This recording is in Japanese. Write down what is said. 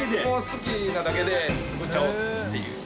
好きなだけで作っちゃおうっていう。